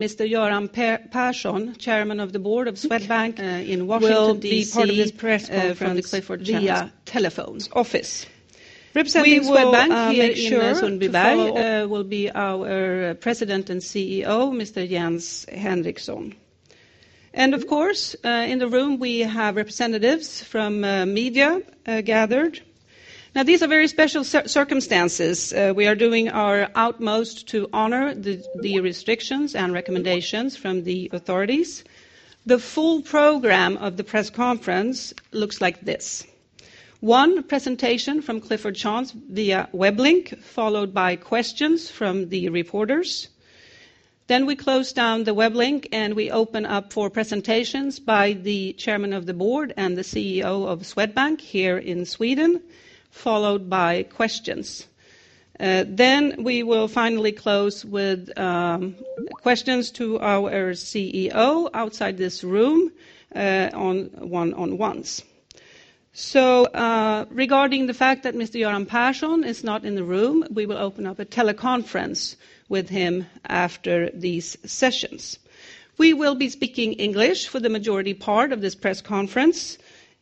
Mr. Göran Persson, Chairman of the Board of Swedbank, in Washington, D.C., from the Clifford Chance office. Representing Swedbank here in Sundbyberg, will be our President and CEO, Mr. Jens Henriksson. And of course, in the room, we have representatives from media gathered. Now, these are very special circumstances. We are doing our utmost to honor the restrictions and recommendations from the authorities. The full program of the press conference looks like this: one, presentation from Clifford Chance via web link, followed by questions from the reporters. Then we close down the web link, and we open up for presentations by the chairman of the board and the CEO of Swedbank here in Sweden, followed by questions. Then we will finally close with questions to our CEO outside this room, on one-on-ones. So, regarding the fact that Mr. Göran Persson is not in the room, we will open up a teleconference with him after these sessions. We will be speaking English for the majority part of this press conference.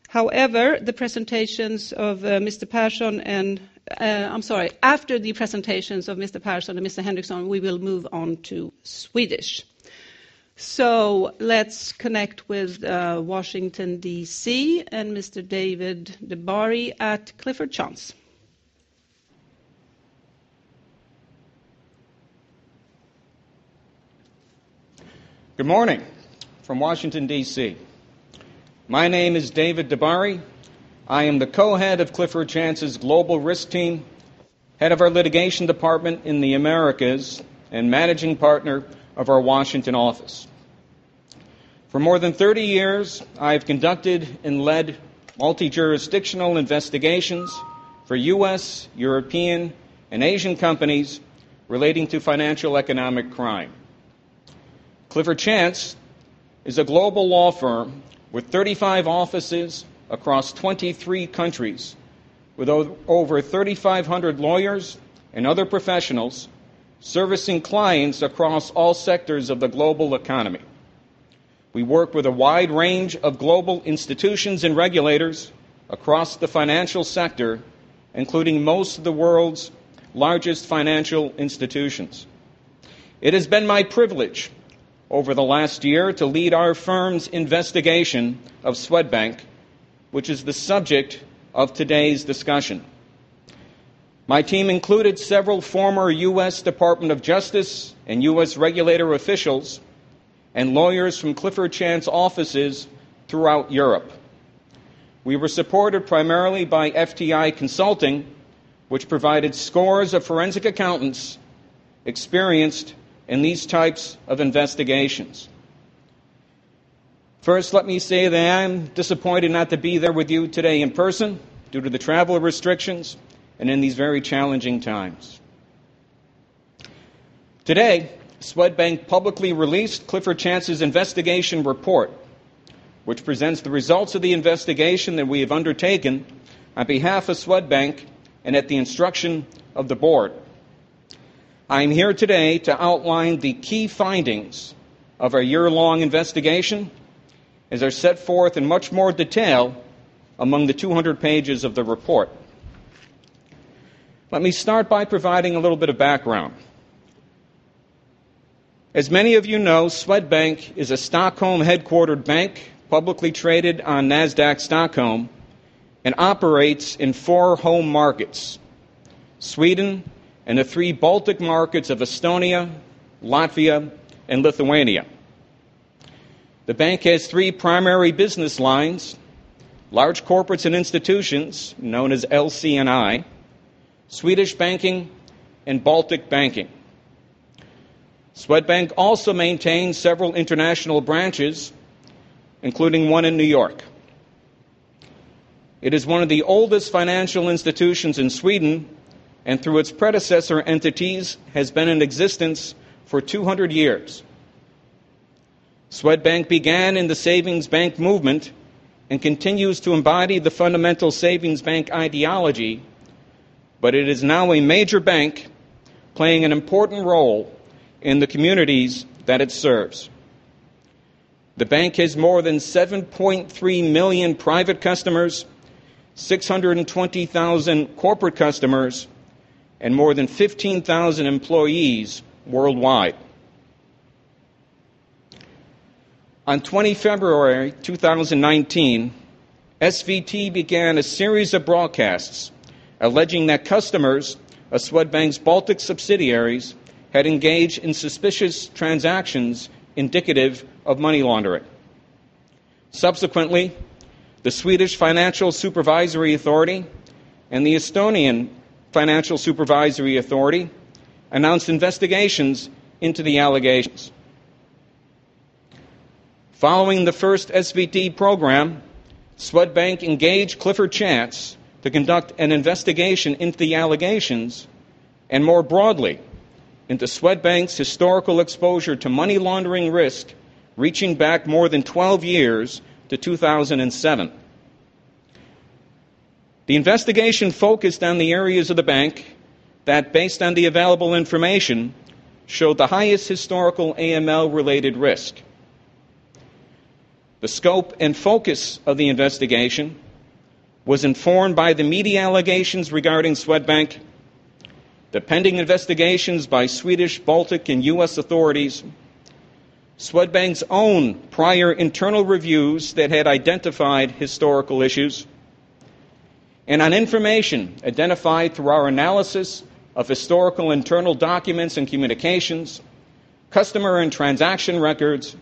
However, the presentations of, Mr. Persson and... I'm sorry. After the presentations of Mr. Persson and Mr. Henriksson, we will move on to Swedish. So let's connect with, Washington, D.C., and Mr. David DiBari at Clifford Chance. Good morning from Washington, D.C. My name is David DiBari. I am the co-head of Clifford Chance's Global Risk team, head of our litigation department in the Americas, and managing partner of our Washington office. For more than 30 years, I have conducted and led multi-jurisdictional investigations for U.S., European, and Asian companies relating to financial economic crime. Clifford Chance is a global law firm with 35 offices across 23 countries, with over 3,500 lawyers and other professionals servicing clients across all sectors of the global economy. We work with a wide range of global institutions and regulators across the financial sector, including most of the world's largest financial institutions. It has been my privilege over the last year to lead our firm's investigation of Swedbank, which is the subject of today's discussion. My team included several former U.S. Department of Justice and U.S. regulator officials and lawyers from Clifford Chance offices throughout Europe. We were supported primarily by FTI Consulting, which provided scores of forensic accountants experienced in these types of investigations. First, let me say that I'm disappointed not to be there with you today in person due to the travel restrictions and in these very challenging times. Today, Swedbank publicly released Clifford Chance's investigation report, which presents the results of the investigation that we have undertaken on behalf of Swedbank and at the instruction of the board. I'm here today to outline the key findings of our year-long investigation, as are set forth in much more detail among the 200 pages of the report. Let me start by providing a little bit of background. As many of you know, Swedbank is a Stockholm-headquartered bank, publicly traded on Nasdaq Stockholm, and operates in four home markets: Sweden and the three Baltic markets of Estonia, Latvia, and Lithuania. The bank has three primary business lines: large corporates and institutions, known as LC&I, Swedish banking, and Baltic banking. Swedbank also maintains several international branches, including one in New York. It is one of the oldest financial institutions in Sweden, and through its predecessor entities, has been in existence for 200 years. Swedbank began in the savings bank movement and continues to embody the fundamental savings bank ideology, but it is now a major bank playing an important role in the communities that it serves. The bank has more than 7.3 million private customers, 620,000 corporate customers, and more than 15,000 employees worldwide. On 20th February 2019, SVT began a series of broadcasts alleging that customers of Swedbank's Baltic subsidiaries had engaged in suspicious transactions indicative of money laundering. Subsequently, the Swedish Financial Supervisory Authority and the Estonian Financial Supervisory Authority announced investigations into the allegations. Following the first SVT program, Swedbank engaged Clifford Chance to conduct an investigation into the allegations and, more broadly, into Swedbank's historical exposure to money laundering risk, reaching back more than 12 years to 2007. The investigation focused on the areas of the bank that, based on the available information, showed the highest historical AML-related risk. The scope and focus of the investigation was informed by the media allegations regarding Swedbank, the pending investigations by Swedish, Baltic, and U.S. authorities, Swedbank's own prior internal reviews that had identified historical issues, and on information identified through our analysis of historical internal documents and communications, customer and transaction records,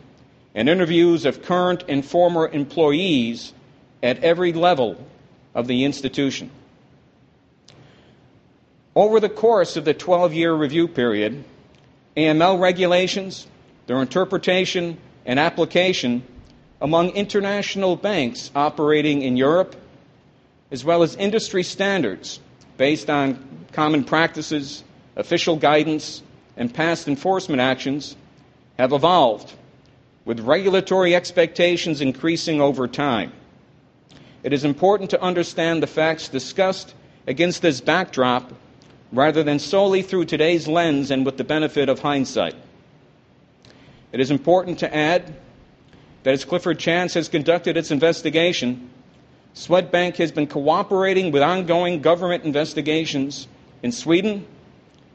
and interviews of current and former employees at every level of the institution. Over the course of the 12-year review period, AML regulations, their interpretation and application among international banks operating in Europe, as well as industry standards based on common practices, official guidance, and past enforcement actions, have evolved, with regulatory expectations increasing over time. It is important to understand the facts discussed against this backdrop, rather than solely through today's lens and with the benefit of hindsight. It is important to add that as Clifford Chance has conducted its investigation, Swedbank has been cooperating with ongoing government investigations in Sweden,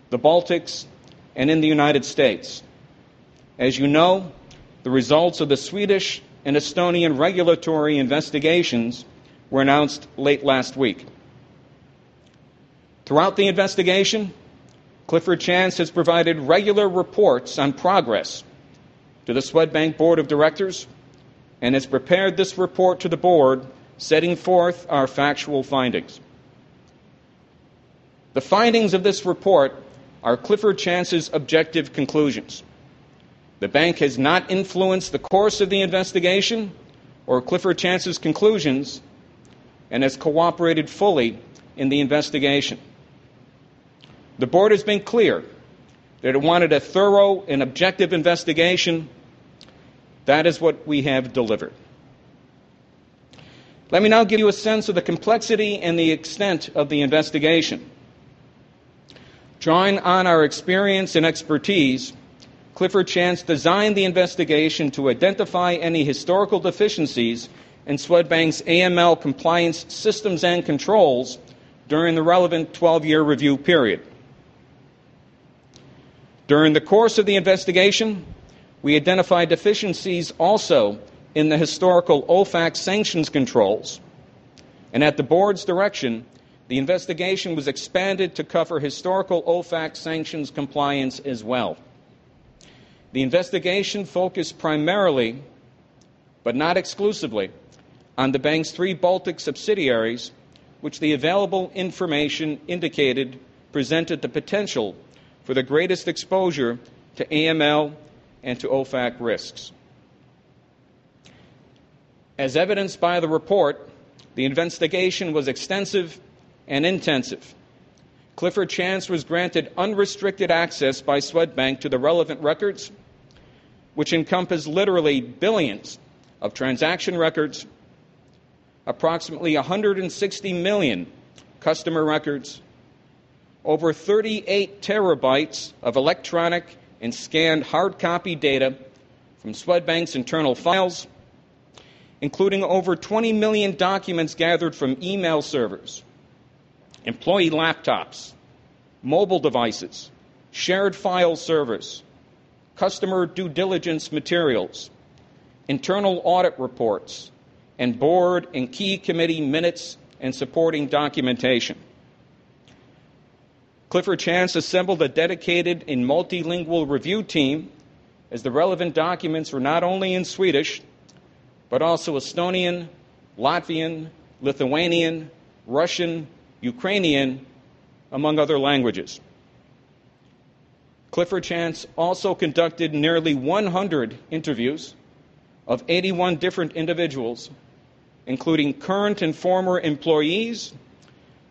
the Baltics, and in the United States. As you know, the results of the Swedish and Estonian regulatory investigations were announced late last week. Throughout the investigation, Clifford Chance has provided regular reports on progress to the Swedbank board of directors and has prepared this report to the board, setting forth our factual findings. The findings of this report are Clifford Chance's objective conclusions. The bank has not influenced the course of the investigation or Clifford Chance's conclusions and has cooperated fully in the investigation. The board has been clear that it wanted a thorough and objective investigation. That is what we have delivered. Let me now give you a sense of the complexity and the extent of the investigation. Drawing on our experience and expertise, Clifford Chance designed the investigation to identify any historical deficiencies in Swedbank's AML compliance systems and controls during the relevant 12-year review period. During the course of the investigation, we identified deficiencies also in the historical OFAC sanctions controls, and at the board's direction, the investigation was expanded to cover historical OFAC sanctions compliance as well. The investigation focused primarily, but not exclusively, on the bank's three Baltic subsidiaries, which the available information indicated presented the potential for the greatest exposure to AML and to OFAC risks. As evidenced by the report, the investigation was extensive and intensive. Clifford Chance was granted unrestricted access by Swedbank to the relevant records, which encompass literally billions of transaction records, approximately 160 million customer records, over 38 TB of electronic and scanned hard copy data from Swedbank's internal files, including over 20 million documents gathered from email servers, employee laptops, mobile devices, shared file servers, customer due diligence materials, internal audit reports, and board and key committee minutes and supporting documentation. Clifford Chance assembled a dedicated and multilingual review team, as the relevant documents were not only in Swedish, but also Estonian, Latvian, Lithuanian, Russian, Ukrainian, among other languages. Clifford Chance also conducted nearly 100 interviews of 81 different individuals, including current and former employees,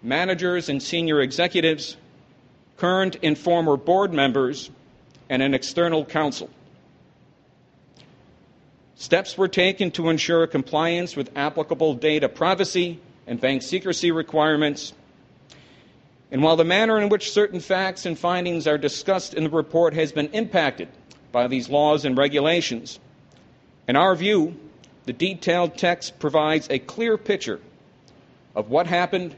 managers and senior executives, current and former board members, and an external counsel. Steps were taken to ensure compliance with applicable data privacy and bank secrecy requirements. And while the manner in which certain facts and findings are discussed in the report has been impacted by these laws and regulations, in our view, the detailed text provides a clear picture of what happened,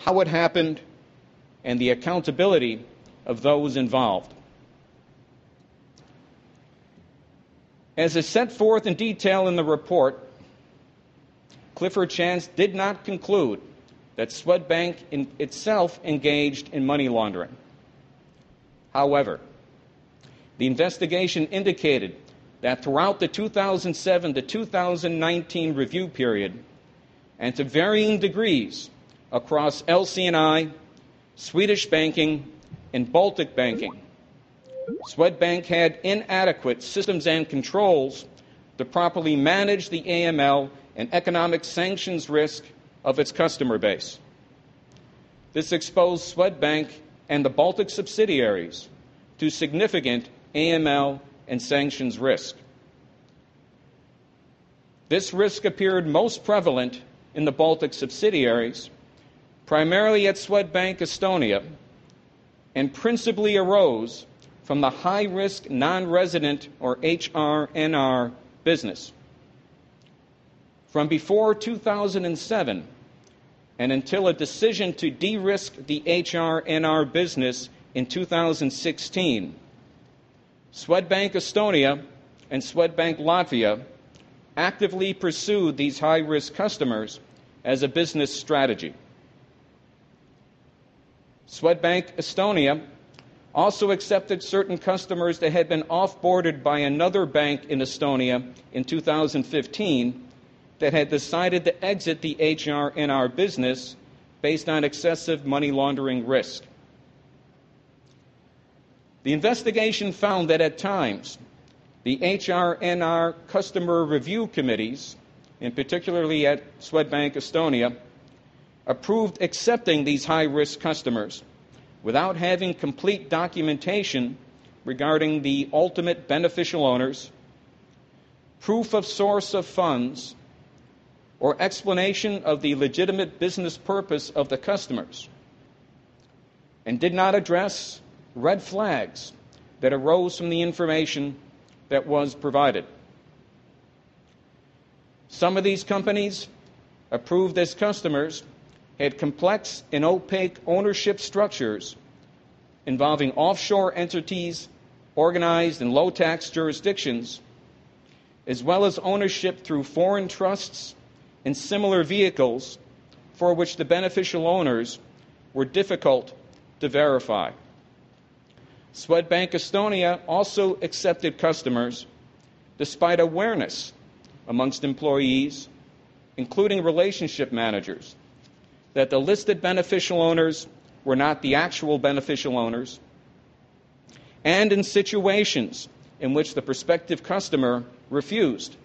how it happened, and the accountability of those involved. As is set forth in detail in the report, Clifford Chance did not conclude that Swedbank in itself engaged in money laundering. However, the investigation indicated that throughout the 2007-2019 review period, and to varying degrees across LC&I, Swedish banking, and Baltic banking, Swedbank had inadequate systems and controls to properly manage the AML and economic sanctions risk of its customer base. This exposed Swedbank and the Baltic subsidiaries to significant AML and sanctions risk. This risk appeared most prevalent in the Baltic subsidiaries, primarily at Swedbank Estonia, and principally arose from the high-risk non-resident, or HRNR, business. From before 2007 and until a decision to de-risk the HRNR business in 2016, Swedbank Estonia and Swedbank Latvia actively pursued these high-risk customers as a business strategy. Swedbank Estonia also accepted certain customers that had been off-boarded by another bank in Estonia in 2015 that had decided to exit the HRNR business based on excessive money laundering risk. The investigation found that at times, the HRNR customer review committees, and particularly at Swedbank Estonia, approved accepting these high-risk customers without having complete documentation regarding the ultimate beneficial owners, proof of source of funds, or explanation of the legitimate business purpose of the customers, and did not address red flags that arose from the information that was provided. Some of these companies approved as customers had complex and opaque ownership structures involving offshore entities organized in low-tax jurisdictions, as well as ownership through foreign trusts and similar vehicles for which the beneficial owners were difficult to verify. Swedbank Estonia also accepted customers despite awareness among employees, including relationship managers, that the listed beneficial owners were not the actual beneficial owners, and in situations in which the prospective customer refused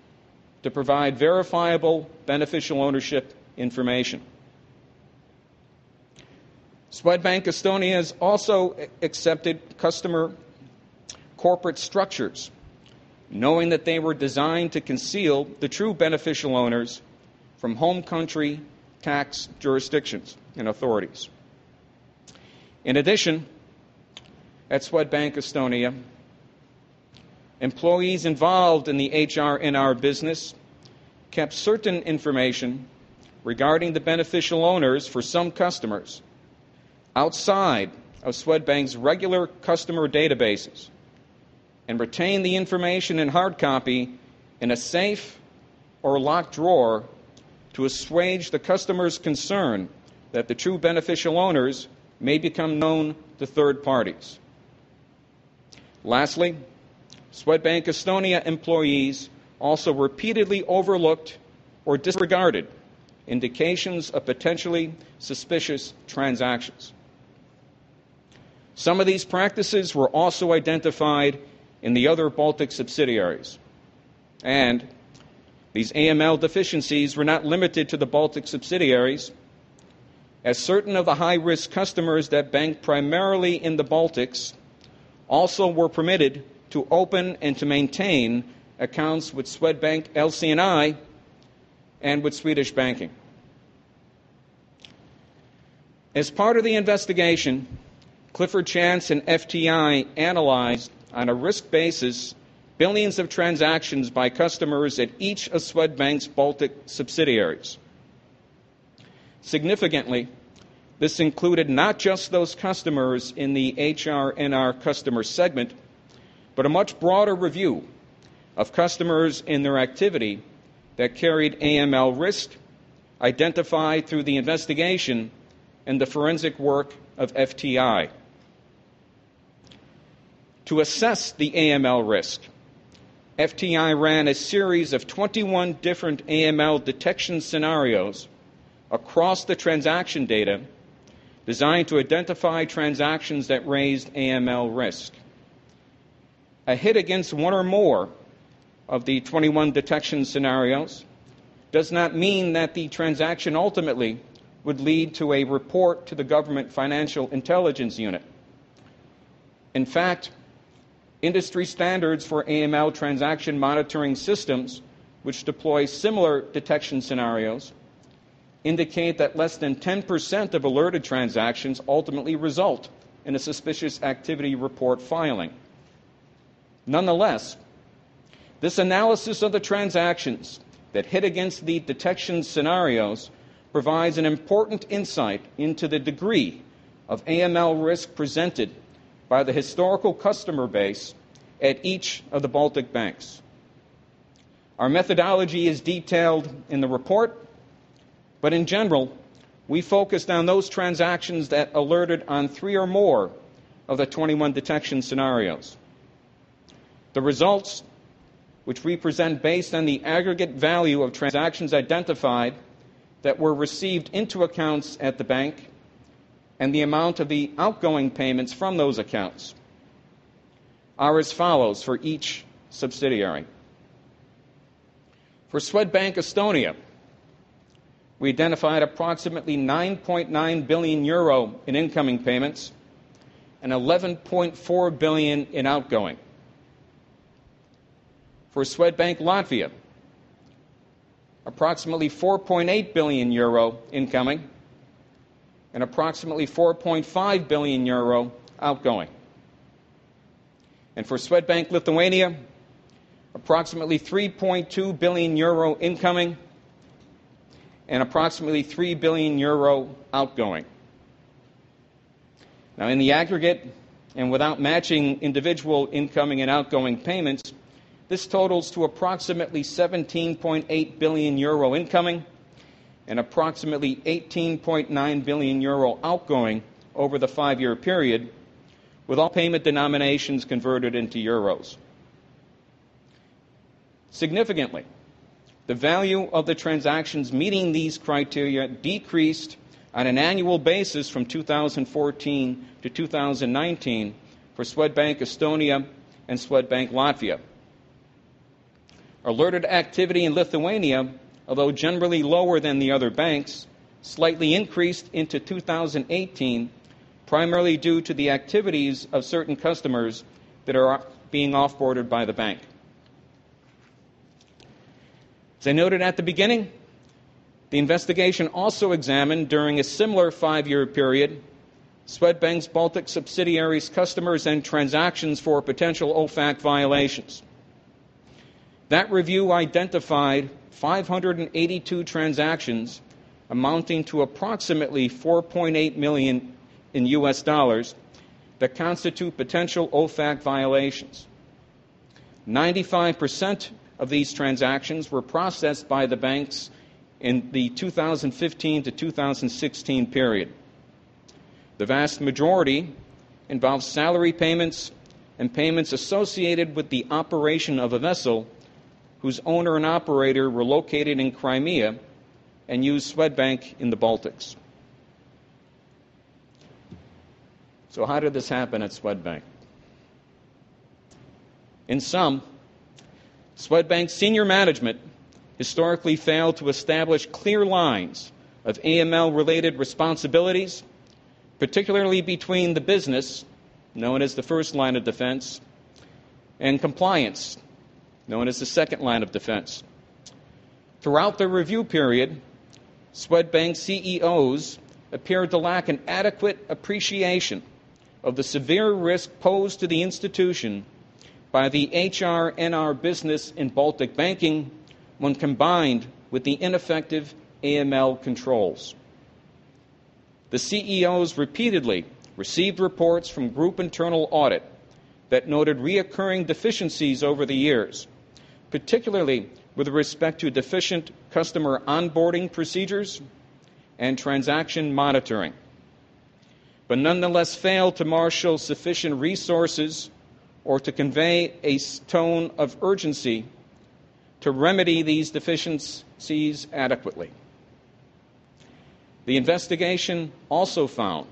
to provide verifiable beneficial ownership information. Swedbank Estonia has also accepted customer corporate structures, knowing that they were designed to conceal the true beneficial owners from home country tax jurisdictions and authorities. In addition, at Swedbank Estonia, employees involved in the HRNR business kept certain information regarding the beneficial owners for some customers outside of Swedbank's regular customer databases and retained the information in hard copy in a safe or a locked drawer to assuage the customer's concern that the true beneficial owners may become known to third parties. Lastly, Swedbank Estonia employees also repeatedly overlooked or disregarded indications of potentially suspicious transactions. Some of these practices were also identified in the other Baltic subsidiaries, and these AML deficiencies were not limited to the Baltic subsidiaries, as certain of the high-risk customers that banked primarily in the Baltics also were permitted to open and to maintain accounts with Swedbank LC&I and with Swedish banking. As part of the investigation, Clifford Chance and FTI analyzed, on a risk basis, billions of transactions by customers at each of Swedbank's Baltic subsidiaries. Significantly, this included not just those customers in the HRNR customer segment, but a much broader review of customers and their activity that carried AML risk, identified through the investigation and the forensic work of FTI. To assess the AML risk, FTI ran a series of 21 different AML detection scenarios across the transaction data designed to identify transactions that raised AML risk. A hit against one or more of the 21 detection scenarios does not mean that the transaction ultimately would lead to a report to the government financial intelligence unit. In fact, industry standards for AML transaction monitoring systems, which deploy similar detection scenarios, indicate that less than 10% of alerted transactions ultimately result in a suspicious activity report filing. Nonetheless, this analysis of the transactions that hit against the detection scenarios provides an important insight into the degree of AML risk presented by the historical customer base at each of the Baltic banks. Our methodology is detailed in the report, but in general, we focused on those transactions that alerted on three or more of the 21 detection scenarios. The results, which we present based on the aggregate value of transactions identified that were received into accounts at the bank and the amount of the outgoing payments from those accounts, are as follows for each subsidiary. For Swedbank Estonia,... We identified approximately 9.9 billion euro in incoming payments and 11.4 billion in outgoing. For Swedbank Latvia, approximately 4.8 billion euro incoming and approximately 4.5 billion euro outgoing. And for Swedbank Lithuania, approximately 3.2 billion euro incoming and approximately 3 billion euro outgoing. Now, in the aggregate, and without matching individual incoming and outgoing payments, this totals to approximately 17.8 billion euro incoming and approximately 18.9 billion euro outgoing over the five-year period, with all payment denominations converted into euros. Significantly, the value of the transactions meeting these criteria decreased on an annual basis from 2014 to 2019 for Swedbank Estonia and Swedbank Latvia. Alerted activity in Lithuania, although generally lower than the other banks, slightly increased into 2018, primarily due to the activities of certain customers that are being off-boarded by the bank. As I noted at the beginning, the investigation also examined, during a similar five-year period, Swedbank's Baltic subsidiaries, customers, and transactions for potential OFAC violations. That review identified 582 transactions amounting to approximately $4.8 million that constitute potential OFAC violations. 95% of these transactions were processed by the banks in the 2015-2016 period. The vast majority involved salary payments and payments associated with the operation of a vessel whose owner and operator were located in Crimea and used Swedbank in the Baltics. So how did this happen at Swedbank? In sum, Swedbank's senior management historically failed to establish clear lines of AML-related responsibilities, particularly between the business, known as the first line of defense, and compliance, known as the second line of defense. Throughout the review period, Swedbank's CEOs appeared to lack an adequate appreciation of the severe risk posed to the institution by the HRNR business in Baltic banking when combined with the ineffective AML controls. The CEOs repeatedly received reports from group internal audit that noted recurring deficiencies over the years, particularly with respect to deficient customer onboarding procedures and transaction monitoring, but nonetheless, failed to marshal sufficient resources or to convey a strong tone of urgency to remedy these deficiencies adequately. The investigation also found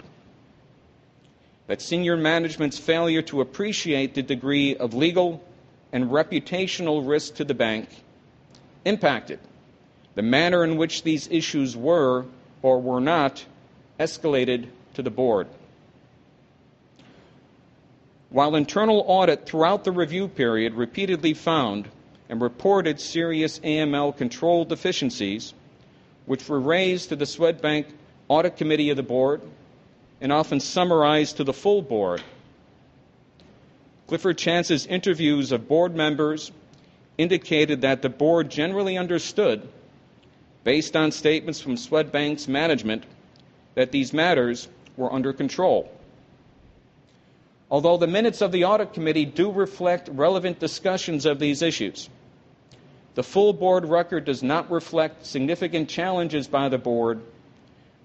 that senior management's failure to appreciate the degree of legal and reputational risk to the bank impacted the manner in which these issues were or were not escalated to the board. While internal audit, throughout the review period, repeatedly found and reported serious AML control deficiencies, which were raised to the Swedbank Audit Committee of the board and often summarized to the full board, Clifford Chance's interviews of board members indicated that the board generally understood, based on statements from Swedbank's management, that these matters were under control. Although the minutes of the audit committee do reflect relevant discussions of these issues, the full board record does not reflect significant challenges by the board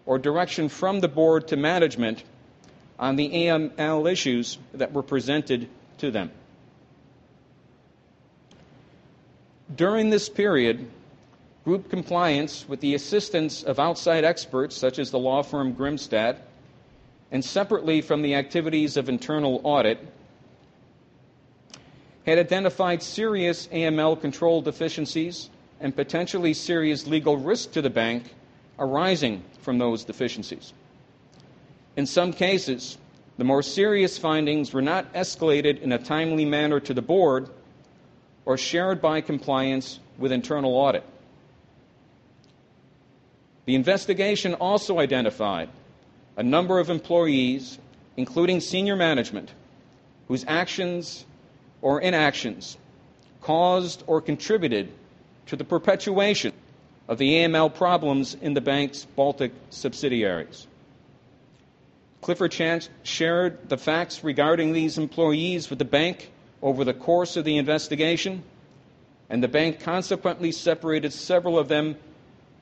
or direction from the board to management on the AML issues that were presented to them. During this period, group compliance with the assistance of outside experts, such as the law firm Grimstad, and separately from the activities of internal audit, had identified serious AML control deficiencies and potentially serious legal risk to the bank arising from those deficiencies. In some cases, the more serious findings were not escalated in a timely manner to the board or shared by compliance with internal audit. The investigation also identified a number of employees, including senior management, whose actions or inactions caused or contributed to the perpetuation of the AML problems in the bank's Baltic subsidiaries. Clifford Chance shared the facts regarding these employees with the bank over the course of the investigation, and the bank consequently separated several of them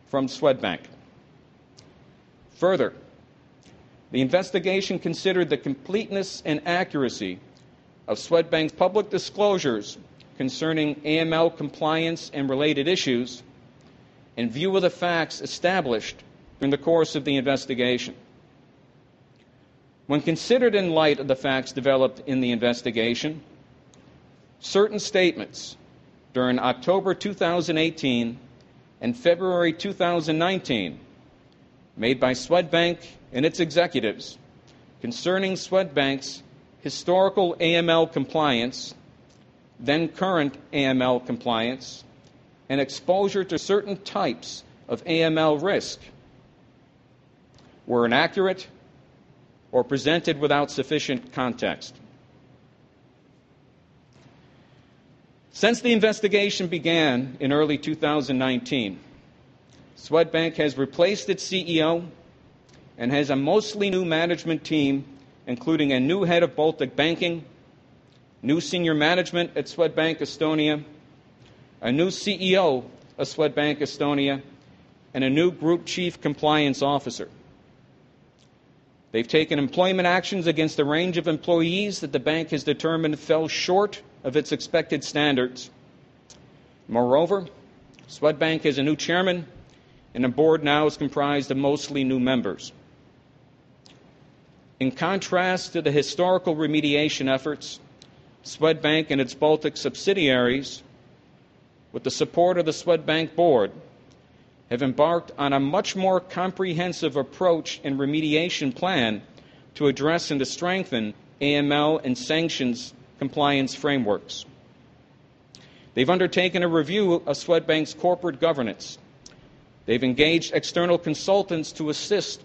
from Swedbank. Further, the investigation considered the completeness and accuracy of Swedbank's public disclosures concerning AML compliance and related issues in view of the facts established during the course of the investigation.... When considered in light of the facts developed in the investigation, certain statements during October 2018 and February 2019, made by Swedbank and its executives concerning Swedbank's historical AML compliance, then current AML compliance, and exposure to certain types of AML risk, were inaccurate or presented without sufficient context. Since the investigation began in early 2019, Swedbank has replaced its CEO and has a mostly new management team, including a new head of Baltic banking, new senior management at Swedbank Estonia, a new CEO of Swedbank Estonia, and a new group chief compliance officer. They've taken employment actions against a range of employees that the bank has determined fell short of its expected standards. Moreover, Swedbank has a new chairman, and the board now is comprised of mostly new members. In contrast to the historical remediation efforts, Swedbank and its Baltic subsidiaries, with the support of the Swedbank board, have embarked on a much more comprehensive approach and remediation plan to address and to strengthen AML and sanctions compliance frameworks. They've undertaken a review of Swedbank's corporate governance. They've engaged external consultants to assist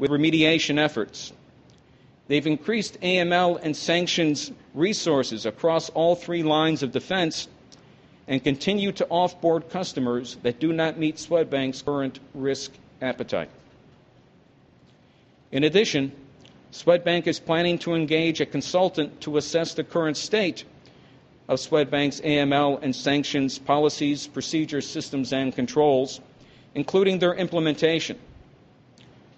with remediation efforts. They've increased AML and sanctions resources across all Three Lines of Defense and continue to off-board customers that do not meet Swedbank's current risk appetite. In addition, Swedbank is planning to engage a consultant to assess the current state of Swedbank's AML and sanctions, policies, procedures, systems, and controls, including their implementation.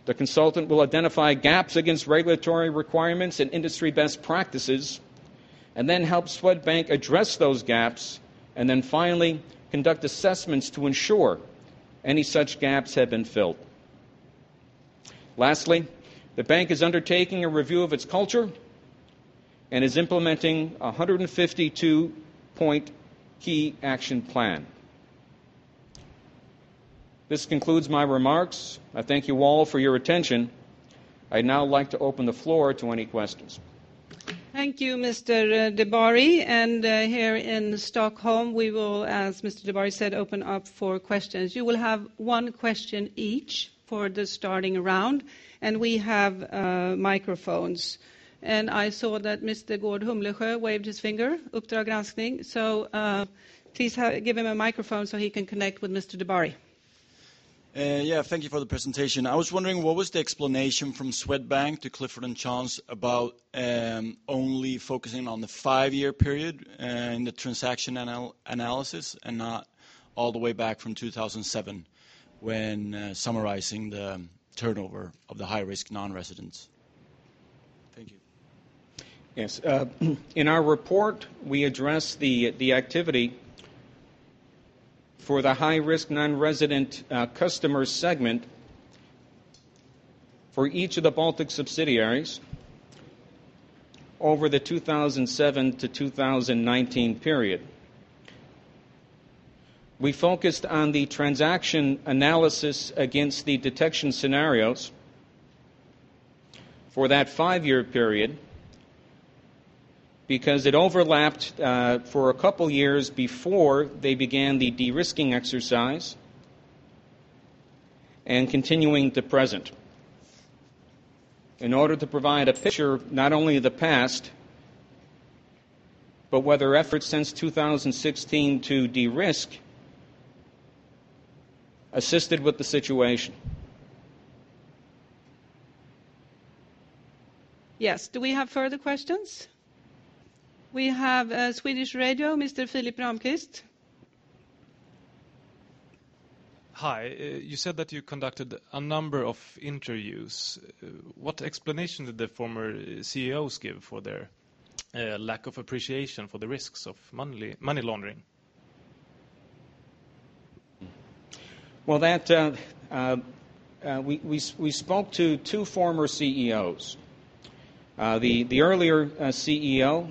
The consultant will identify gaps against regulatory requirements and industry best practices, and then help Swedbank address those gaps, and then finally conduct assessments to ensure any such gaps have been filled. Lastly, the bank is undertaking a review of its culture and is implementing a 152-point key action plan. This concludes my remarks. I thank you all for your attention. I'd now like to open the floor to any questions. Thank you, Mr. DiBari. And here in Stockholm, we will, as Mr. DiBari said, open up for questions. You will have one question each for the starting round, and we have microphones. And I saw that Mr. Gordh Humlesjö waved his finger. Please give him a microphone so he can connect with Mr. DiBari. Yeah, thank you for the presentation. I was wondering, what was the explanation from Swedbank to Clifford Chance about only focusing on the five-year period and the transaction analysis, and not all the way back from 2007, when summarizing the turnover of the high-risk non-residents? Thank you. Yes. In our report, we addressed the activity for the high-risk non-resident customer segment for each of the Baltic subsidiaries over the 2007-2019 period. We focused on the transaction analysis against the detection scenarios for that five-year period, because it overlapped for a couple of years before they began the de-risking exercise and continuing to present, in order to provide a picture, not only of the past, but whether efforts since 2016 to de-risk assisted with the situation. Yes. Do we have further questions? We have, Swedish Radio, Mr. Philip Ramqvist. Hi. You said that you conducted a number of interviews. What explanation did the former CEOs give for their lack of appreciation for the risks of money laundering? Well, we spoke to two former CEOs. The earlier CEO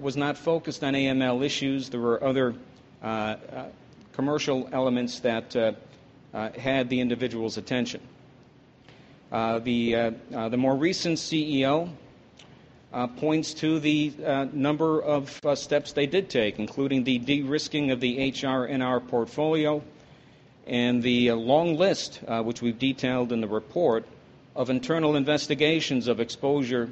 was not focused on AML issues. There were other commercial elements that had the individual's attention. The more recent CEO points to the number of steps they did take, including the de-risking of the HRNR portfolio, and the long list, which we've detailed in the report, of internal investigations of exposure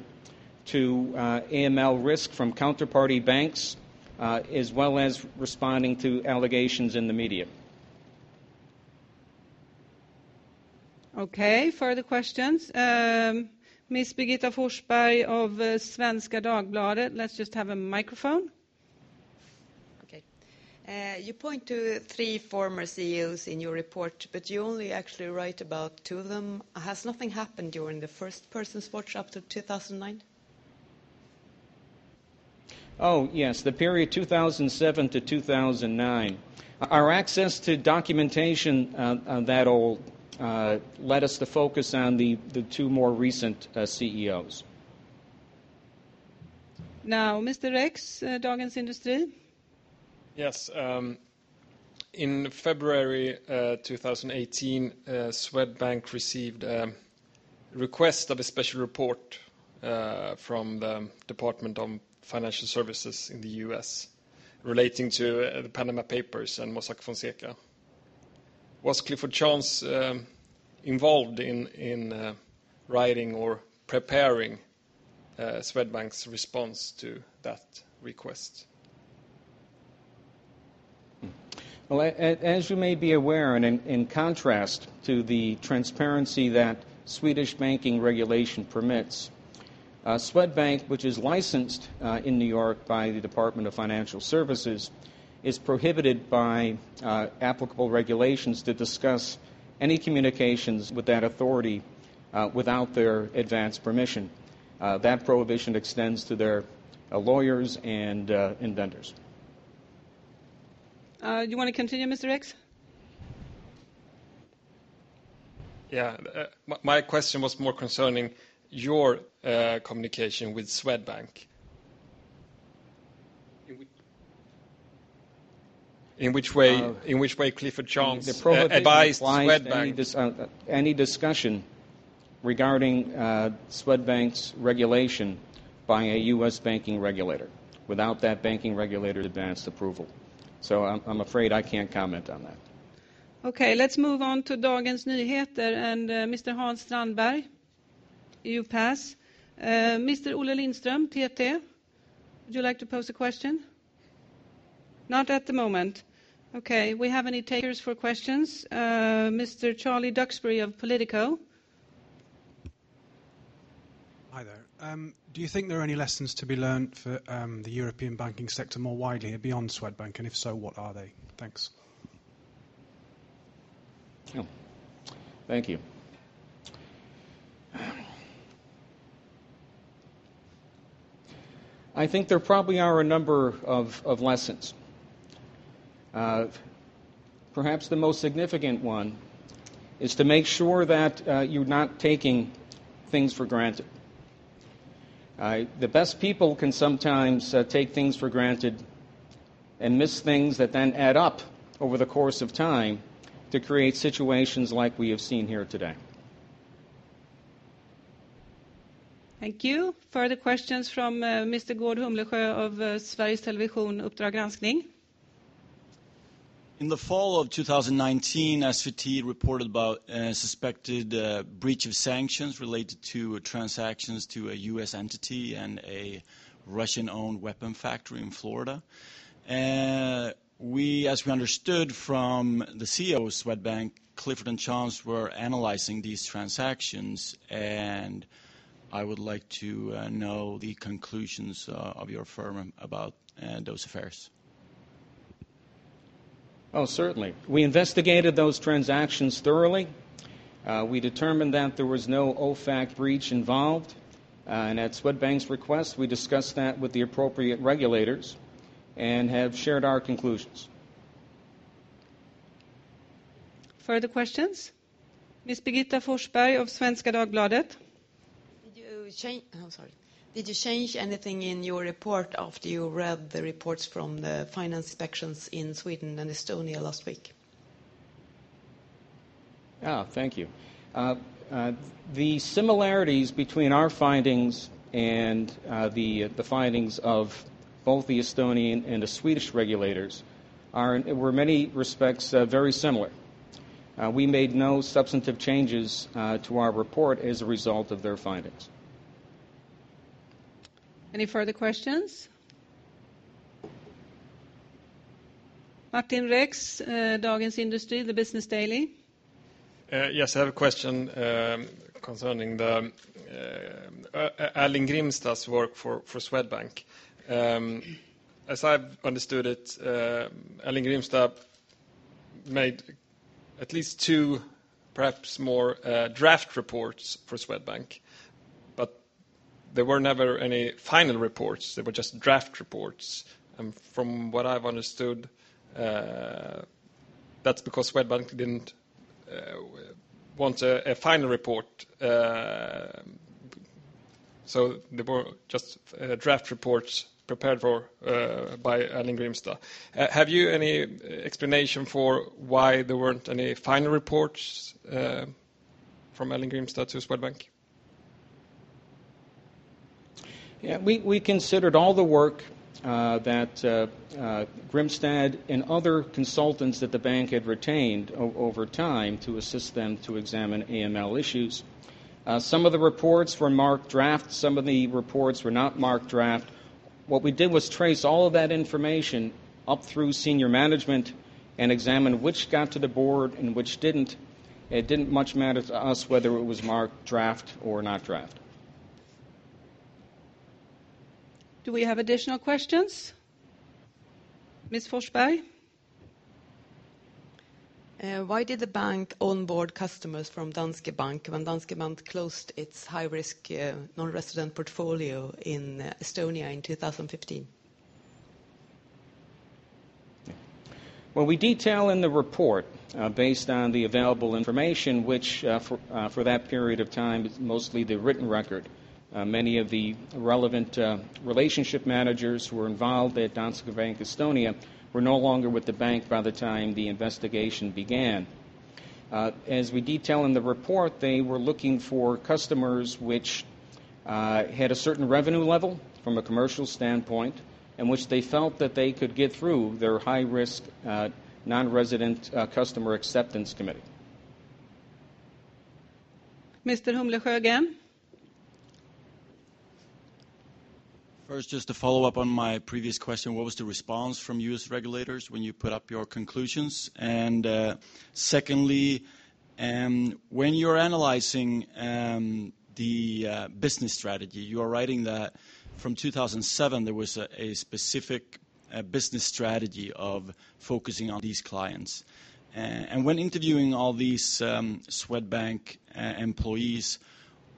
to AML risk from counterparty banks, as well as responding to allegations in the media. Okay, further questions. Miss Birgitta Forsberg of Svenska Dagbladet. Let's just have a microphone. Okay. You point to three former CEOs in your report, but you only actually write about two of them. Has nothing happened during the first person's watch up to 2009?... Oh, yes, the period 2007 to 2009. Our access to documentation on that old led us to focus on the two more recent CEOs. Now, Mr. Rex, Dagens Industri? Yes, in February 2018, Swedbank received a request of a special report from the Department of Financial Services in the U.S. relating to the Panama Papers and Mossack Fonseca. Was Clifford Chance involved in writing or preparing Swedbank's response to that request? Well, as you may be aware, and in contrast to the transparency that Swedish banking regulation permits, Swedbank, which is licensed in New York by the Department of Financial Services, is prohibited by applicable regulations to discuss any communications with that authority without their advance permission. That prohibition extends to their lawyers and vendors. You want to continue, Mr. Rex? Yeah. My question was more concerning your communication with Swedbank. In which- In which way, in which way Clifford Chance advised Swedbank? Any discussion regarding Swedbank's regulation by a U.S. banking regulator, without that banking regulator's advanced approval. So I'm afraid I can't comment on that. Okay, let's move on to Dagens Nyheter and, Mr. Hans Strandberg. You pass. Mr. Ole Lindström, TT, would you like to pose a question? Not at the moment. Okay, we have any takers for questions. Mr. Charlie Duxbury of Politico. Hi, there. Do you think there are any lessons to be learned for, the European banking sector more widely beyond Swedbank, and if so, what are they? Thanks. Yeah. Thank you. I think there probably are a number of lessons. Perhaps the most significant one is to make sure that you're not taking things for granted. The best people can sometimes take things for granted and miss things that then add up over the course of time to create situations like we have seen here today. Thank you. Further questions from, Mr. Gordh Humlesjö of, Sveriges Television Uppdrag Granskning. In the fall of 2019, SVT reported about suspected breach of sanctions related to transactions to a U.S. entity and a Russian-owned weapon factory in Florida. We, as we understood from the CEO of Swedbank, Clifford Chance were analyzing these transactions, and I would like to know the conclusions of your firm about those affairs. Oh, certainly. We investigated those transactions thoroughly. We determined that there was no OFAC breach involved. And at Swedbank's request, we discussed that with the appropriate regulators and have shared our conclusions. Further questions? Miss Birgitta Forsberg of Svenska Dagbladet. Oh, sorry. Did you change anything in your report after you read the reports from the finance inspections in Sweden and Estonia last week? Ah, thank you. The similarities between our findings and the findings of both the Estonian and the Swedish regulators are in many respects very similar. We made no substantive changes to our report as a result of their findings. Any further questions? Martin Rex, Dagens Industri, the Business Daily. Yes, I have a question concerning the Erling Grimstad's work for Swedbank. As I've understood it, Erling Grimstad made at least two, perhaps more, draft reports for Swedbank, but there were never any final reports. They were just draft reports. From what I've understood, that's because Swedbank didn't want a final report. They were just draft reports prepared for by Erling Grimstad. Have you any explanation for why there weren't any final reports from Erling Grimstad to Swedbank? Yeah, we considered all the work that Grimstad and other consultants that the bank had retained over time to assist them to examine AML issues. Some of the reports were marked draft, some of the reports were not marked draft. What we did was trace all of that information up through senior management and examine which got to the board and which didn't. It didn't much matter to us whether it was marked draft or not draft. Do we have additional questions? Ms. Forsberg?... Why did the bank onboard customers from Danske Bank when Danske Bank closed its high-risk non-resident portfolio in Estonia in 2015? Well, we detail in the report, based on the available information, which, for that period of time, is mostly the written record. Many of the relevant relationship managers who were involved at Danske Bank Estonia were no longer with the bank by the time the investigation began. As we detail in the report, they were looking for customers which had a certain revenue level from a commercial standpoint, and which they felt that they could get through their high-risk non-resident customer acceptance committee. Mr.Humlesjö? First, just to follow up on my previous question, what was the response from U.S. regulators when you put up your conclusions? And, secondly, when you're analyzing the business strategy, you are writing that from 2007, there was a specific business strategy of focusing on these clients. And when interviewing all these Swedbank employees,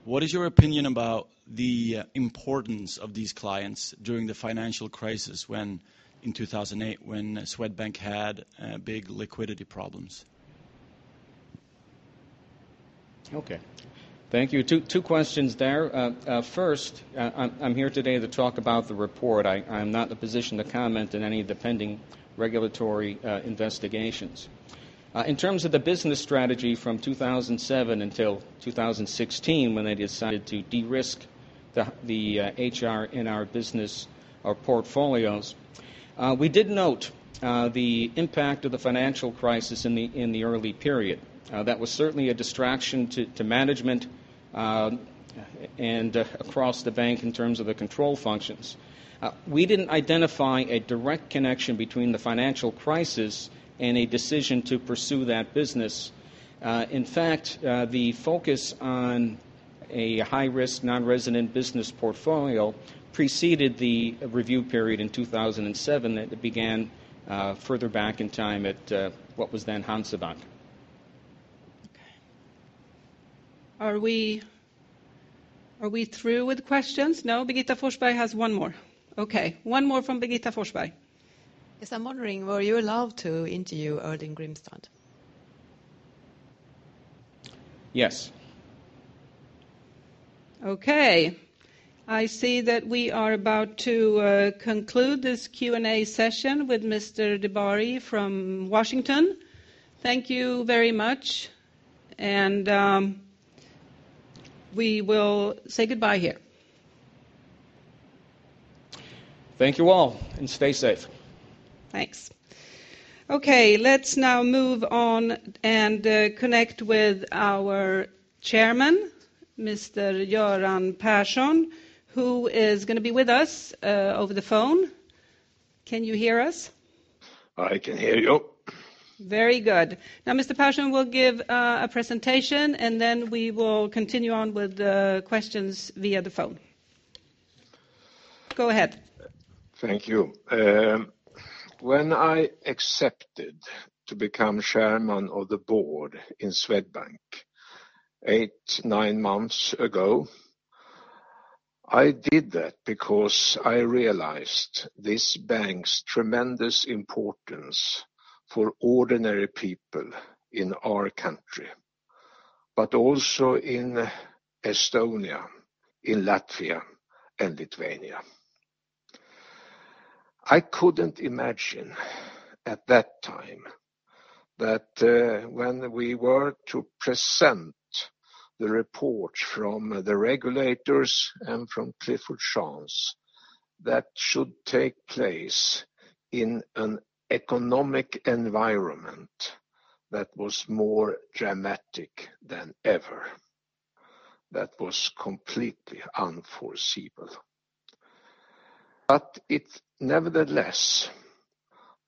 what is your opinion about the importance of these clients during the financial crisis when in 2008, when Swedbank had big liquidity problems? Okay. Thank you. Two questions there. First, I'm here today to talk about the report. I'm not in a position to comment on any of the pending regulatory investigations. In terms of the business strategy from 2007 until 2016, when they decided to de-risk the HR in our business or portfolios, we did note the impact of the financial crisis in the early period. That was certainly a distraction to management and across the bank in terms of the control functions. We didn't identify a direct connection between the financial crisis and a decision to pursue that business. In fact, the focus on a high-risk, non-resident business portfolio preceded the review period in 2007, that it began further back in time at what was then Hansabank. Okay. Are we, are we through with questions? No, Birgitta Forsberg has one more. Okay, one more from Birgitta Forsberg. Yes, I'm wondering, were you allowed to interview Erling Grimstad? Yes. Okay. I see that we are about to conclude this Q&A session with Mr. DiBari from Washington. Thank you very much, and we will say goodbye here. Thank you, all, and stay safe. Thanks. Okay, let's now move on and connect with our Chairman, Mr. Göran Persson, who is gonna be with us over the phone. Can you hear us? I can hear you. Very good. Now, Mr. Persson will give a presentation, and then we will continue on with the questions via the phone. Go ahead. Thank you. When I accepted to become chairman of the board in Swedbank, eight, nine months ago, I did that because I realized this bank's tremendous importance for ordinary people in our country, but also in Estonia, in Latvia, and Lithuania. I couldn't imagine at that time that, when we were to present the report from the regulators and from Clifford Chance, that should take place in an economic environment that was more dramatic than ever. That was completely unforeseeable. But it nevertheless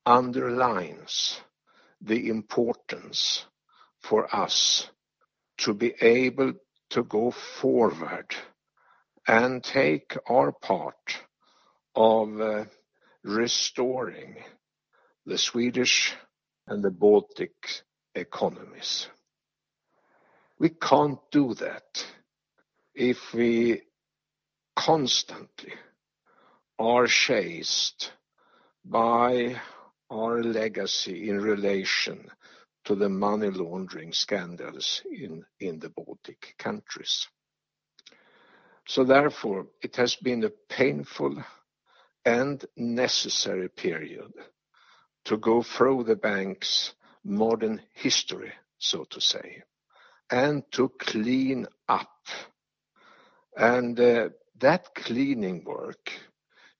underlines the importance for us to be able to go forward and take our part of, restoring the Swedish and the Baltic economies. We can't do that if we constantly are chased by our legacy in relation to the money laundering scandals in, in the Baltic countries. So therefore, it has been a painful and necessary period to go through the bank's modern history, so to say, and to clean up, and, that cleaning work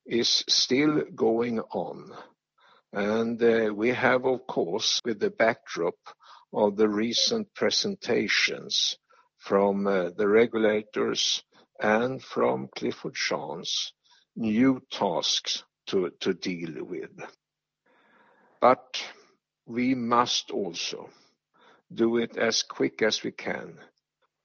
is still going on. And, we have, of course, with the backdrop of the recent presentations from, the regulators and from Clifford Chance, new tasks to deal with. But we must also do it as quick as we can.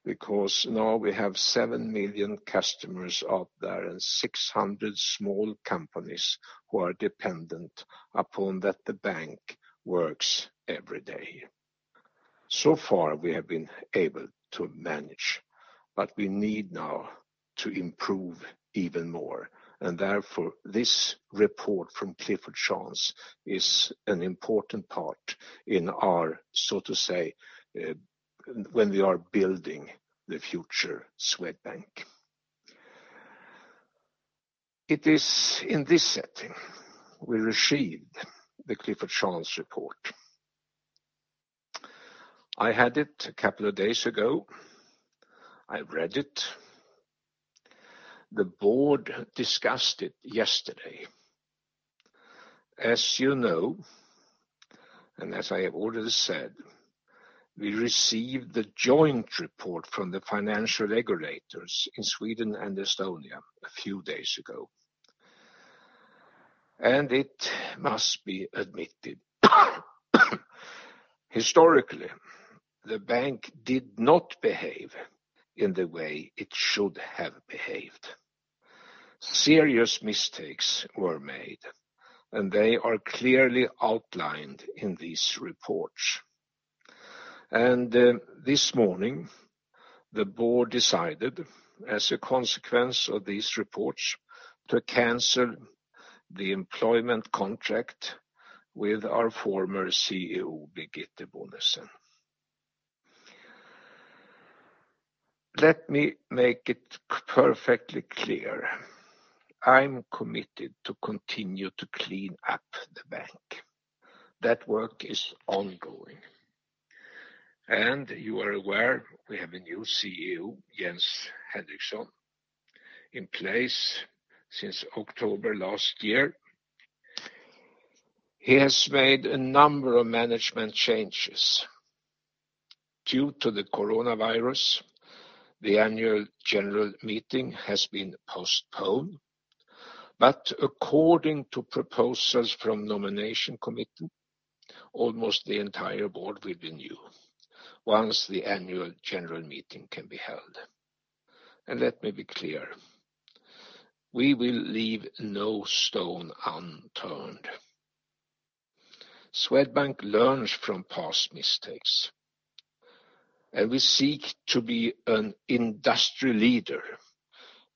Because now we have 7 million customers out there and 600 small companies who are dependent upon that the bank works every day. So far, we have been able to manage, but we need now to improve even more. And therefore, this report from Clifford Chance is an important part in our, so to say, when we are building the future Swedbank. It is in this setting, we received the Clifford Chance report. I had it a couple of days ago. I read it. The board discussed it yesterday. As you know, and as I have already said, we received the joint report from the financial regulators in Sweden and Estonia a few days ago. It must be admitted, historically, the bank did not behave in the way it should have behaved. Serious mistakes were made, and they are clearly outlined in these reports. This morning, the board decided, as a consequence of these reports, to cancel the employment contract with our former CEO, Birgitte Bonnesen. Let me make it perfectly clear, I'm committed to continue to clean up the bank. That work is ongoing, and you are aware we have a new CEO, Jens Henriksson, in place since October last year. He has made a number of management changes. Due to the coronavirus, the annual general meeting has been postponed, but according to proposals from nomination committee, almost the entire board will renew once the annual general meeting can be held. Let me be clear, we will leave no stone unturned. Swedbank learns from past mistakes, and we seek to be an industry leader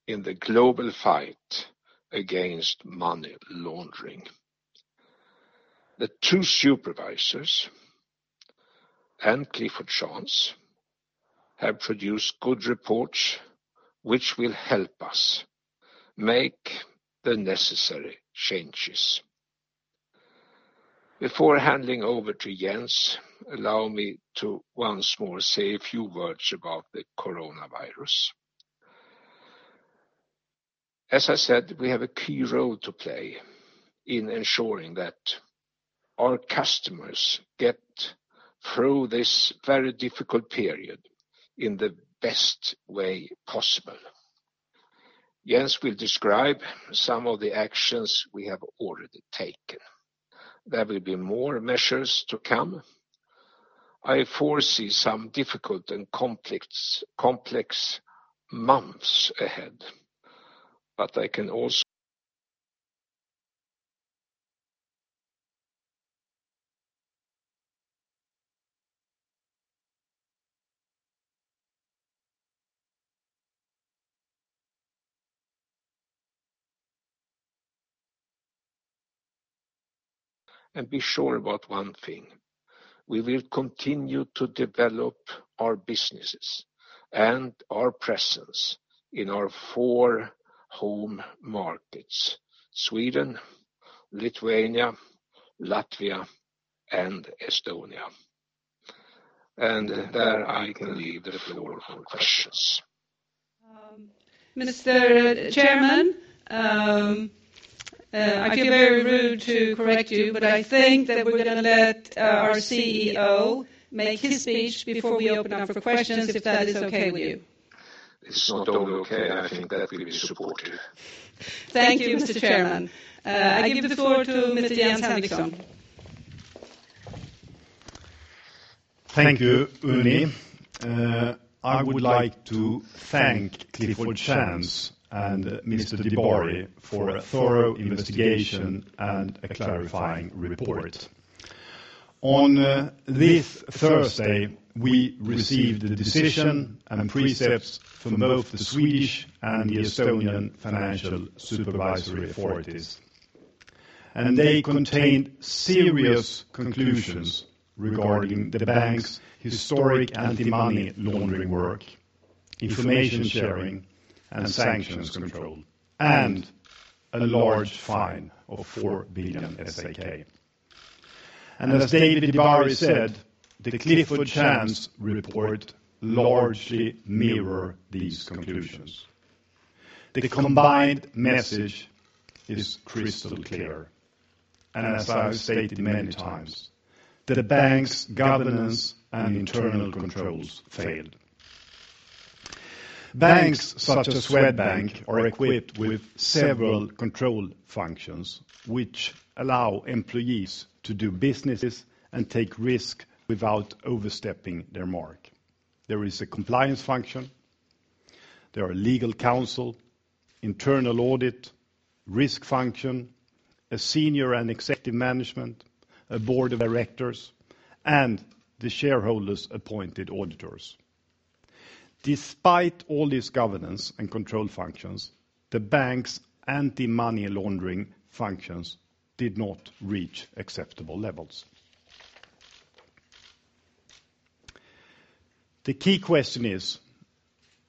in the global fight against money laundering. The two supervisors and Clifford Chance have produced good reports, which will help us make the necessary changes. Before handing over to Jens, allow me to once more say a few words about the coronavirus. As I said, we have a key role to play in ensuring that our customers get through this very difficult period in the best way possible. Jens will describe some of the actions we have already taken. There will be more measures to come. I foresee some difficult and complex months ahead, but I can also be sure about one thing, we will continue to develop our businesses and our presence in our four home markets: Sweden, Lithuania, Latvia, and Estonia. There, I can leave the floor for questions. Mr. Chairman, I feel very rude to correct you, but I think that we're gonna let our CEO make his speech before we open up for questions, if that is okay with you. It's not only okay, I think that will be supported. Thank you, Mr. Chairman. I give the floor to Mr. Jens Henriksson. Thank you, Unni. I would like to thank Clifford Chance and Mr. DiBari for a thorough investigation and a clarifying report. On this Thursday, we received the decision and precepts from both the Swedish and the Estonian Financial Supervisory Authorities, and they contained serious conclusions regarding the bank's historic anti-money laundering work, information sharing, and sanctions control, and a large fine of 4 billion. And as David DiBari said, the Clifford Chance report largely mirror these conclusions. The combined message is crystal clear, and as I've stated many times, the bank's governance and internal controls failed.... Banks such as Swedbank are equipped with several control functions, which allow employees to do businesses and take risk without overstepping their mark. There is a compliance function, there are legal counsel, internal audit, risk function, a senior and executive management, a board of directors, and the shareholders' appointed auditors. Despite all these governance and control functions, the bank's anti-money laundering functions did not reach acceptable levels. The key question is: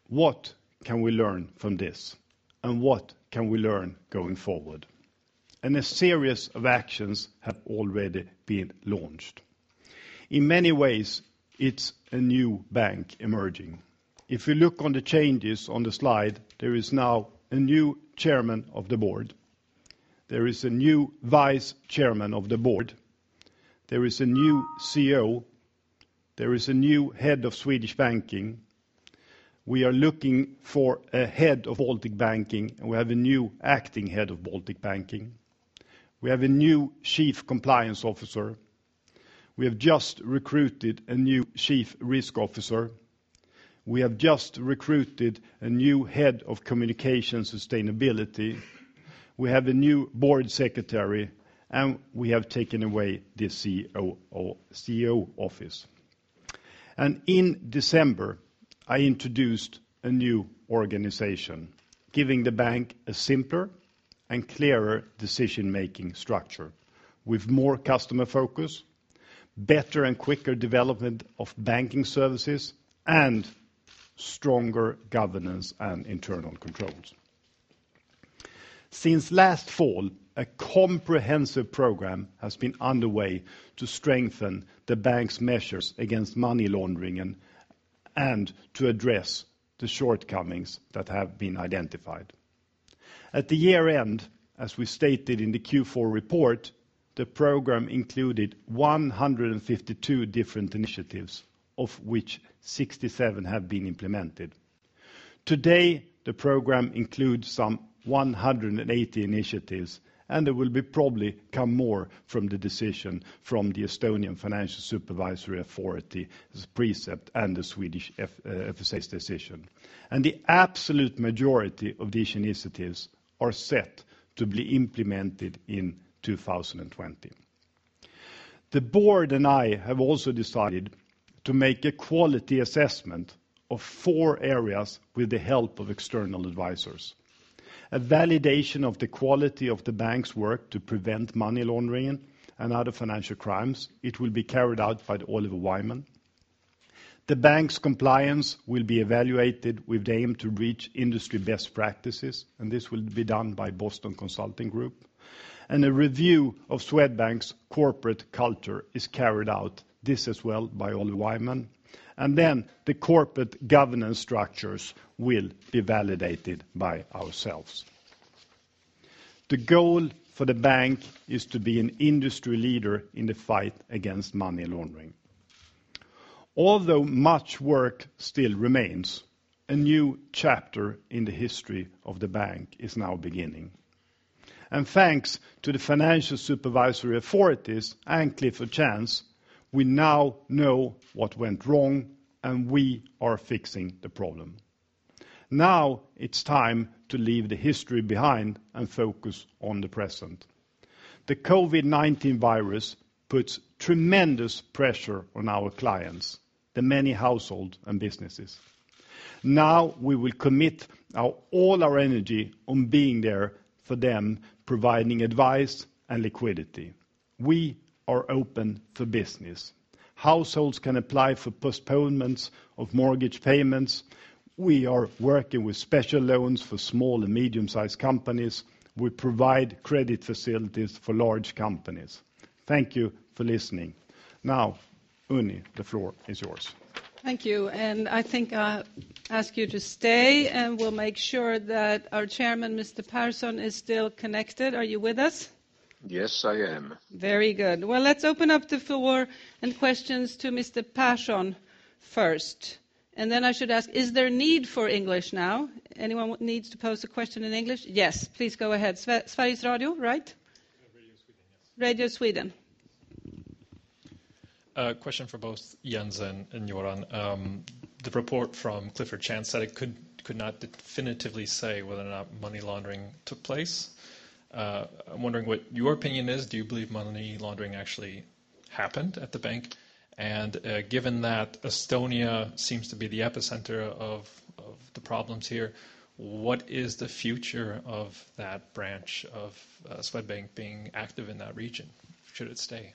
what can we learn from this? What can we learn going forward? A series of actions have already been launched. In many ways, it's a new bank emerging. If you look on the changes on the slide, there is now a new Chairman of the Board. There is a new Vice Chairman of the Board. There is a new CEO. There is a new Head of Swedish Banking. We are looking for a Head of Baltic Banking, and we have a new Acting Head of Baltic Banking. We have a new Chief Compliance Officer. We have just recruited a new chief risk officer. We have just recruited a new head of communication sustainability. We have a new board secretary, and we have taken away the COO, CEO office. In December, I introduced a new organization, giving the bank a simpler and clearer decision-making structure, with more customer focus, better and quicker development of banking services, and stronger governance and internal controls. Since last fall, a comprehensive program has been underway to strengthen the bank's measures against money laundering and to address the shortcomings that have been identified. At the year-end, as we stated in the Q4 report, the program included 152 different initiatives, of which 67 have been implemented. Today, the program includes some 180 initiatives, and there will be probably come more from the decision from the Estonian Financial Supervisory Authority, as precept and the Swedish FSA's decision. And the absolute majority of these initiatives are set to be implemented in 2020. The board and I have also decided to make a quality assessment of four areas with the help of external advisors. A validation of the quality of the bank's work to prevent money laundering and other financial crimes. It will be carried out by the Oliver Wyman. The bank's compliance will be evaluated with the aim to reach industry best practices, and this will be done by Boston Consulting Group. And a review of Swedbank's corporate culture is carried out, this as well by Oliver Wyman. And then the corporate governance structures will be validated by ourselves. The goal for the bank is to be an industry leader in the fight against money laundering. Although much work still remains, a new chapter in the history of the bank is now beginning. Thanks to the Financial Supervisory Authorities and Clifford Chance, we now know what went wrong, and we are fixing the problem. Now it's time to leave the history behind and focus on the present. The COVID-19 virus puts tremendous pressure on our clients, the many households and businesses. Now, we will commit all our energy on being there for them, providing advice and liquidity. We are open for business. Households can apply for postponements of mortgage payments. We are working with special loans for small and medium-sized companies. We provide credit facilities for large companies. Thank you for listening. Now, Unni, the floor is yours. Thank you. I think I'll ask you to stay, and we'll make sure that our Chairman, Mr. Persson, is still connected. Are you with us? Yes, I am. Very good. Well, let's open up the floor and questions to Mr. Persson first. And then I should ask, is there a need for English now? Anyone needs to pose a question in English? Yes, please go ahead. Sveriges Radio, right? Radio Sweden, yes. Radio Sweden. Question for both Jens and Göran. The report from Clifford Chance said it could not definitively say whether or not money laundering took place. I'm wondering what your opinion is. Do you believe money laundering actually happened at the bank? And given that Estonia seems to be the epicenter of the problems here, what is the future of that branch of Swedbank being active in that region? Should it stay?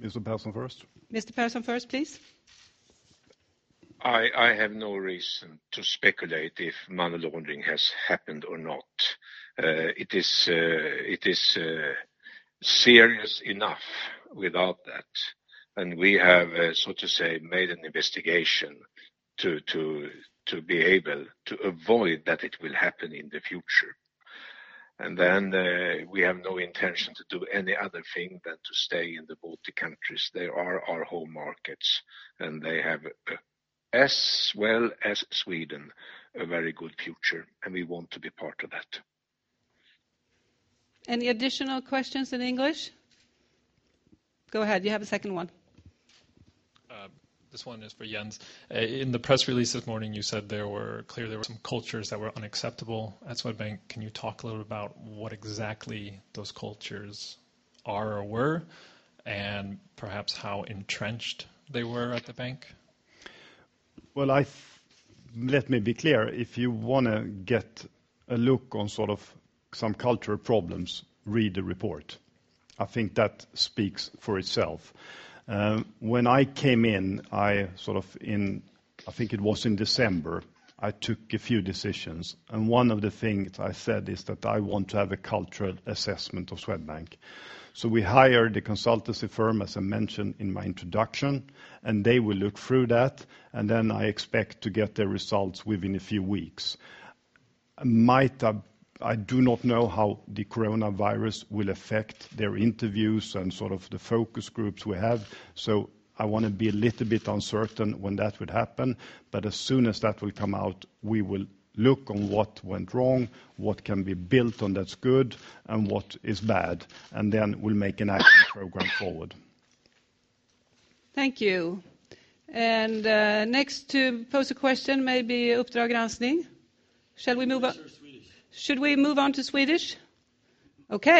Mr. Persson first. Mr. Persson first, please. I have no reason to speculate if money laundering has happened or not. It is serious enough without that, and we have so to say made an investigation to be able to avoid that it will happen in the future. And then we have no intention to do any other thing than to stay in the Baltic countries. They are our home markets, and they have as well as Sweden a very good future, and we want to be part of that. Any additional questions in English? Go ahead, you have a second one. This one is for Jens. In the press release this morning, you said there were... Clearly, there were some cultures that were unacceptable at Swedbank. Can you talk a little about what exactly those cultures are or were, and perhaps how entrenched they were at the bank? Well, let me be clear. If you wanna get a look on sort of some cultural problems, read the report. I think that speaks for itself. When I came in, I sort of, I think it was in December, I took a few decisions, and one of the things I said is that I want to have a cultural assessment of Swedbank. So we hired a consultancy firm, as I mentioned in my introduction, and they will look through that, and then I expect to get the results within a few weeks. Might have-- I do not know how the coronavirus will affect their interviews and sort of the focus groups we have, so I wanna be a little bit uncertain when that would happen. As soon as that will come out, we will look on what went wrong, what can be built on that's good, and what is bad, and then we'll make an action program forward. Thank you. And, next to pose a question may be Uppdrag Granskning. Shall we move on? Sure, Swedish. Should we move on to Swedish? Okay.